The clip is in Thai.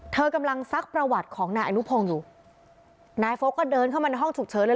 เธอกำลังซักประวัติของนายอนุพงศ์อยู่นายโฟลกก็เดินเข้ามาในห้องฉุกเฉินเลย